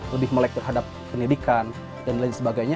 lebih melek terhadap pendidikan dan lain sebagainya